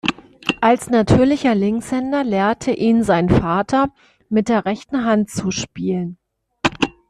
Als natürlicher Linkshänder lehrte ihn sein Vater, mit der rechten Hand zu spielen.